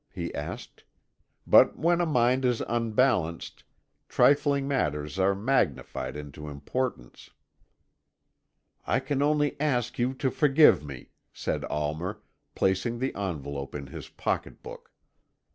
he said. "But when a mind is unbalanced, trifling matters are magnified into importance." "I can only ask you to forgive me," said Almer, placing the envelope in his pocket book.